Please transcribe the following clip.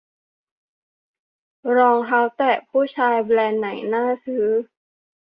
รองเท้าแตะผู้ชาย แบรนด์ไหนน่าซื้อ